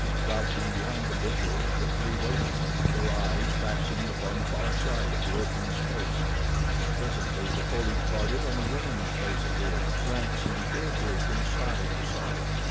Crouching behind the bushes the three waited, their eyes fastened upon the far side of the open space. Presently the foliage parted and a woman's face appeared, glancing fearfully from side to side.